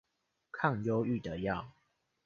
抗憂鬱的藥